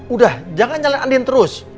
udah jangan jalan andin terus